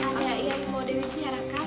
ada yang mau di bicarakan